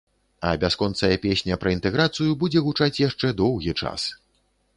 А бясконцая песня пра інтэграцыю будзе гучаць яшчэ доўгі час.